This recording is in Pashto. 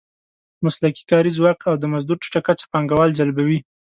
مسلکي کاري ځواک او د مزدور ټیټه کچه پانګوال جلبوي.